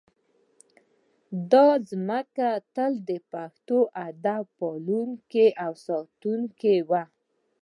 دا ځمکه تل د پښتو ادب پالونکې او ساتونکې وه